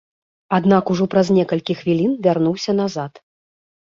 Аднак ужо праз некалькі хвілін вярнуўся назад.